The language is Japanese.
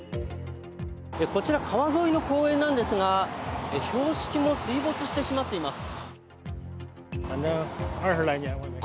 こちら、川沿いの公園なんですが標識も水没してしまっています。